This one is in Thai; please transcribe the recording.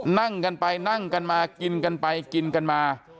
นั่งกันไปนั่งกันมากินกันไปกินกันมา